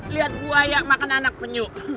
lihat buaya makan anak penyu